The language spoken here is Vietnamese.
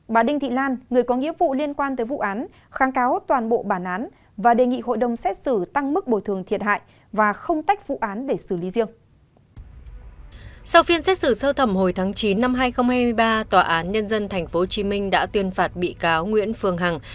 bà đinh thị lan người có nghĩa vụ liên quan tới vụ án kháng cáo toàn bộ bản án và đề nghị hội đồng xét xử tăng mức bồi thường thiệt hại và không tách vụ án để xử lý riêng